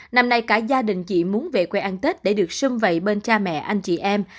năm nay cả gia đình chị muốn về quê ăn tết để được sưng vầy bên cha mẹ anh chị em